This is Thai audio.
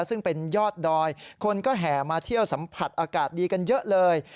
ซึ่งเป็นยอดดอยคนก็แห่มาเที่ยวสัมผัสอากาศดีกันเยอะเลย